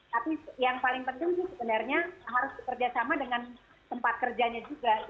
tapi yang paling penting sih sebenarnya harus bekerja sama dengan tempat kerjanya juga